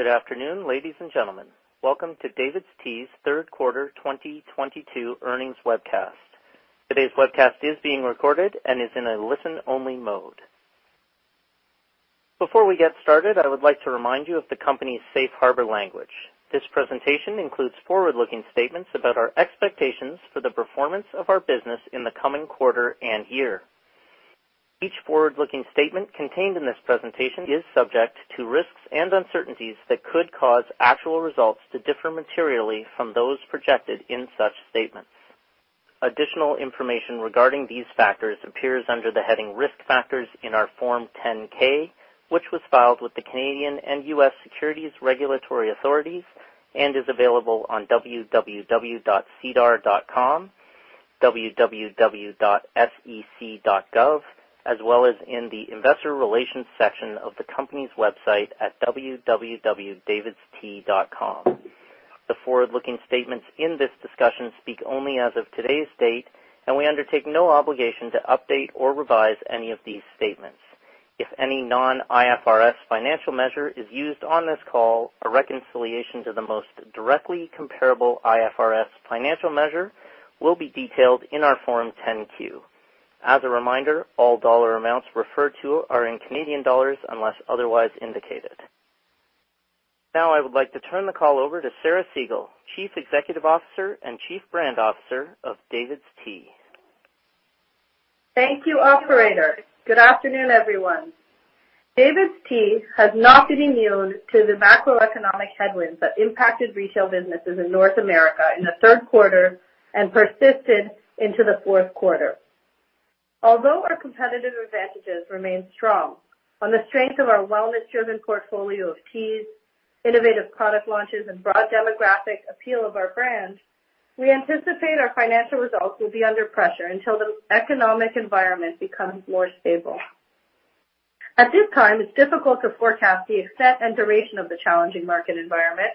Good afternoon, ladies and gentlemen. Welcome to DAVIDsTEA's third quarter 2022 earnings webcast. Today's webcast is being recorded and is in a listen-only mode. Before we get started, I would like to remind you of the company's safe harbor language. This presentation includes forward-looking statements about our expectations for the performance of our business in the coming quarter and year. Each forward-looking statement contained in this presentation is subject to risks and uncertainties that could cause actual results to differ materially from those projected in such statements. Additional information regarding these factors appears under the heading Risk Factors in our Form 10-K, which was filed with the Canadian and U.S. securities regulatory authorities and is available on www.SEDAR.com, www.SEC.gov, as well as in the investor relations section of the company's website at www.DAVIDsTEA.com. The forward-looking statements in this discussion speak only as of today's date. We undertake no obligation to update or revise any of these statements. If any Non-IFRS financial measure is used on this call, a reconciliation to the most directly comparable IFRS financial measure will be detailed in our Form 10-Q. As a reminder, all dollar amounts referred to are in Canadian dollars unless otherwise indicated. Now I would like to turn the call over to Sarah Segal, Chief Executive Officer and Chief Brand Officer of DAVIDsTEA. Thank you, operator. Good afternoon, everyone. DAVIDsTEA has not been immune to the macroeconomic headwinds that impacted retail businesses in North America in the third quarter and persisted into the fourth quarter. Although our competitive advantages remain strong on the strength of our wellness-driven portfolio of teas, innovative product launches, and broad demographic appeal of our brand, we anticipate our financial results will be under pressure until the economic environment becomes more stable. At this time, it's difficult to forecast the extent and duration of the challenging market environment,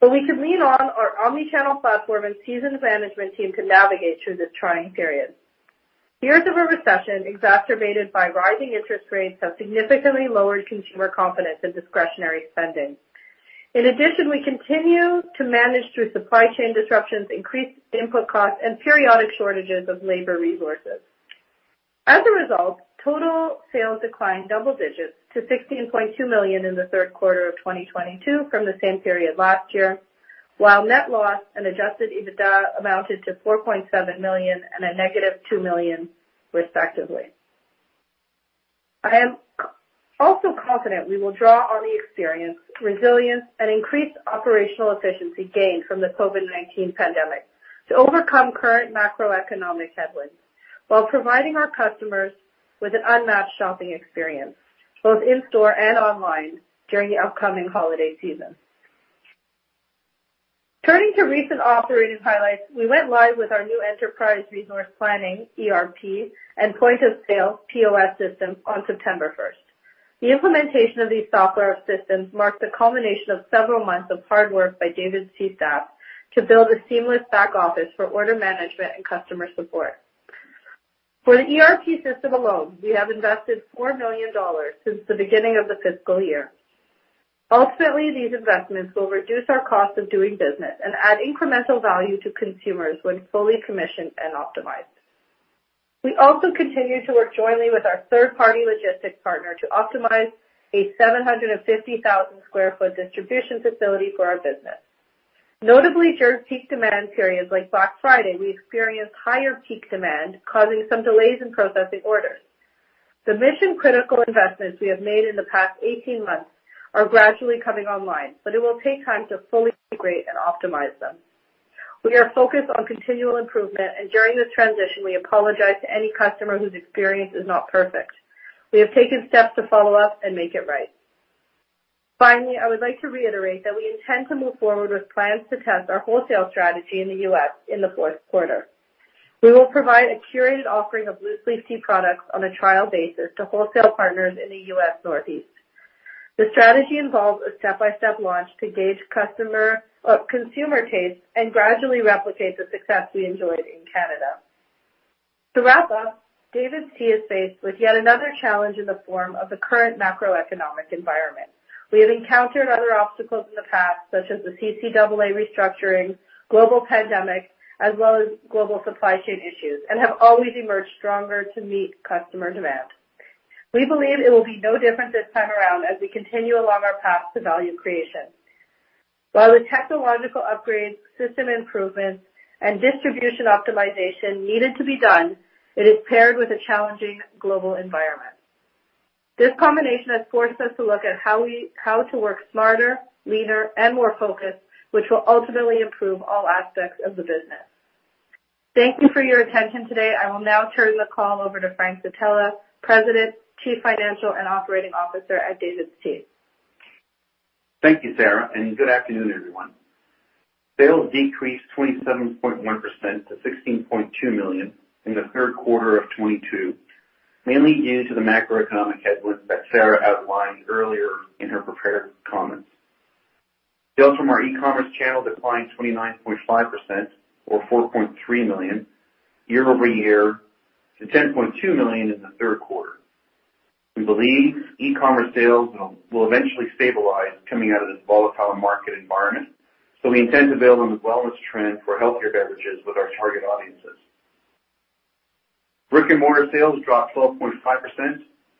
but we can lean on our omnichannel platform and seasoned management team to navigate through this trying period. Fears of a recession exacerbated by rising interest rates have significantly lowered consumer confidence in discretionary spending. In addition, we continue to manage through supply chain disruptions, increased input costs, and periodic shortages of labor resources. As a result, total sales declined double digits to 16.2 million in the third quarter of 2022 from the same period last year. Net loss and adjusted EBITDA amounted to 4.7 million and a negative 2 million, respectively. I am also confident we will draw on the experience, resilience, and increased operational efficiency gained from the COVID-19 pandemic to overcome current macroeconomic headwinds while providing our customers with an unmatched shopping experience, both in-store and online during the upcoming holiday season. Turning to recent operating highlights, we went live with our new enterprise resource planning (ERP) and point-of-sale (POS) systems on September 1st. The implementation of these software systems marked the culmination of several months of hard work by DAVIDsTEA staff to build a seamless back office for order management and customer support. For the ERP system alone, we have invested 4 million dollars since the beginning of the fiscal year. Ultimately, these investments will reduce our cost of doing business and add incremental value to consumers when fully commissioned and optimized. We also continue to work jointly with our third-party logistics partner to optimize a 750,000 sq ft distribution facility for our business. Notably, during peak demand periods like Black Friday, we experienced higher peak demand, causing some delays in processing orders. The mission-critical investments we have made in the past 18 months are gradually coming online, it will take time to fully integrate and optimize them. We are focused on continual improvement, during this transition, we apologize to any customer whose experience is not perfect. We have taken steps to follow up and make it right. Finally, I would like to reiterate that we intend to move forward with plans to test our wholesale strategy in the US in the fourth quarter. We will provide a curated offering of loose leaf tea products on a trial basis to wholesale partners in the U.S Northeast. The strategy involves a step-by-step launch to gauge customer or consumer taste and gradually replicate the success we enjoyed in Canada. To wrap up, DAVIDsTEA is faced with yet another challenge in the form of the current macroeconomic environment. We have encountered other obstacles in the past, such as the CCAA restructuring, global pandemic, as well as global supply chain issues, and have always emerged stronger to meet customer demand. We believe it will be no different this time around as we continue along our path to value creation. While the technological upgrades, system improvements, and distribution optimization needed to be done, it is paired with a challenging global environment. This combination has forced us to look at how to work smarter, leaner, and more focused, which will ultimately improve all aspects of the business. Thank you for your attention today. I will now turn the call over to Frank Zitella, President, Chief Financial and Operating Officer at DAVIDsTEA. Thank you, Sarah, and good afternoon, everyone. Sales decreased 27.1% to 16.2 million in the third quarter of 2022, mainly due to the macroeconomic headwinds that Sarah outlined earlier in her prepared comments. Sales from our e-commerce channel declined 29.5% or 4.3 million year-over-year to 10.2 million in the third quarter. We believe e-commerce sales will eventually stabilize coming out of this volatile market environment. We intend to build on the wellness trend for healthier beverages with our target audiences. Brick-and-mortar sales dropped 12.5%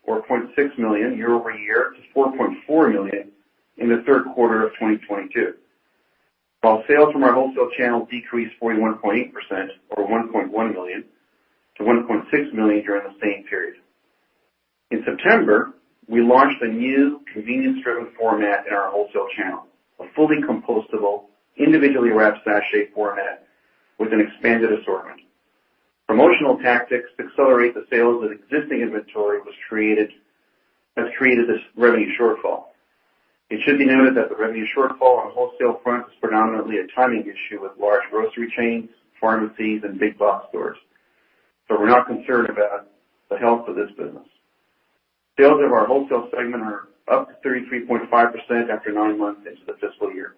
or 0.6 million year-over-year to 4.4 million in the third quarter of 2022. While sales from our wholesale channel decreased 41.8% or 1.1 million to 1.6 million during the same period. In September, we launched a new convenience-driven format in our wholesale channel, a fully compostable, individually wrapped sachet format with an expanded assortment. Promotional tactics to accelerate the sales of existing inventory has created this revenue shortfall. It should be noted that the revenue shortfall on the wholesale front is predominantly a timing issue with large grocery chains, pharmacies, and big box stores. We're not concerned about the health of this business. Sales of our wholesale segment are up 33.5% after nine months into the fiscal year.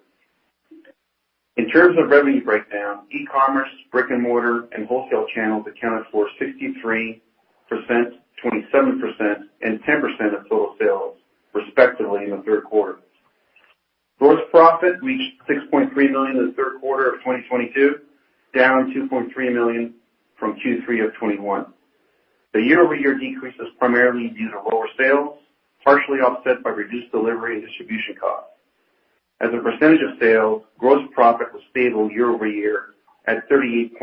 In terms of revenue breakdown, e-commerce, brick-and-mortar, and wholesale channels accounted for 63%, 27%, and 10% of total sales, respectively, in the third quarter. Gross profit reached 6.3 million in the third quarter of 2022, down 2.3 million from Q3 of 2021. The year-over-year decrease is primarily due to lower sales, partially offset by reduced delivery and distribution costs. As a percentage of sales, gross profit was stable year-over-year at 38.8%.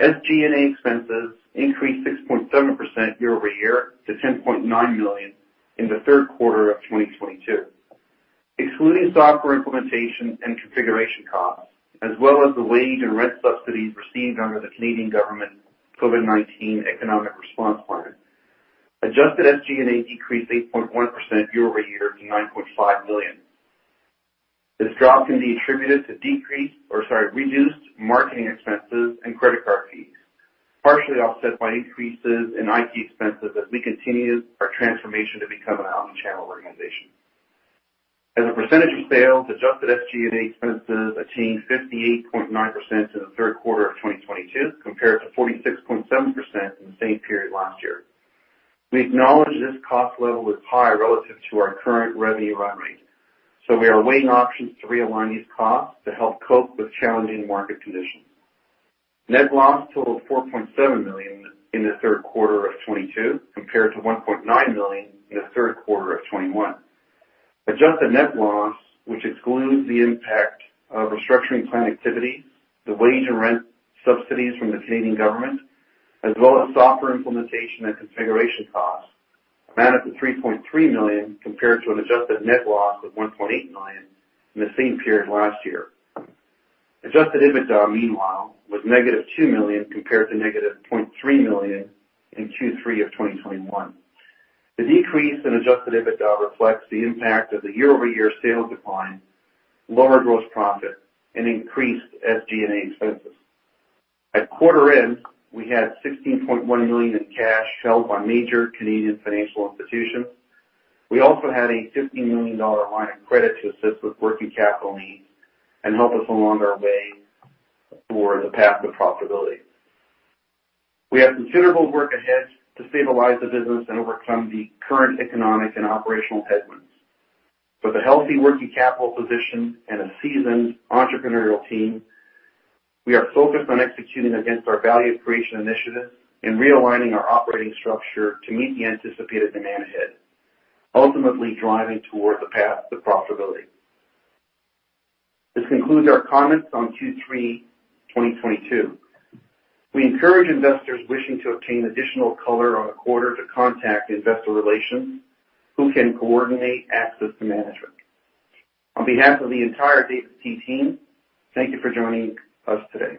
SG&A expenses increased 6.7% year-over-year to 10.9 million in the third quarter of 2022. Excluding software implementation and configuration costs, as well as the wage and rent subsidies received under Canada's COVID-19 Economic Response Plan, adjusted SG&A decreased 8.1% year-over-year to 9.5 million. This drop can be attributed to decreased or, sorry, reduced marketing expenses and credit card fees, partially offset by increases in IT expenses as we continue our transformation to become an omnichannel organization. As a percentage of sales, adjusted SG&A expenses attained 58.9% in the third quarter of 2022 compared to 46.7% in the same period last year. We acknowledge this cost level is high relative to our current revenue run rate. We are weighing options to realign these costs to help cope with challenging market conditions. Net loss totaled 4.7 million in the third quarter of 2022, compared to 1.9 million in the third quarter of 2021. Adjusted net loss, which excludes the impact of restructuring plan activities, the wage and rent subsidies from the Canadian government, as well as software implementation and configuration costs, amounted to 3.3 million compared to an adjusted net loss of 1.8 million in the same period last year. Adjusted EBITDA, meanwhile, was -2 million compared to -0.3 million in Q3 of 2021. The decrease in Adjusted EBITDA reflects the impact of the year-over-year sales decline, lower gross profit, and increased SG&A expenses. At quarter end, we had 16.1 million in cash held by major Canadian financial institutions. We also had a 50 million dollar line of credit to assist with working capital needs and help us along our way toward the path to profitability. We have considerable work ahead to stabilize the business and overcome the current economic and operational headwinds. With a healthy working capital position and a seasoned entrepreneurial team, we are focused on executing against our value creation initiatives and realigning our operating structure to meet the anticipated demand ahead, ultimately driving toward the path to profitability. This concludes our comments on Q3 2022. We encourage investors wishing to obtain additional color on the quarter to contact investor relations, who can coordinate access to management. On behalf of the entire DAVIDsTEA team, thank you for joining us today.